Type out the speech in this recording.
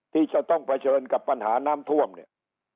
ที่จะต้องเผชิญกับปัญหาน้ำท่วมเนี่ย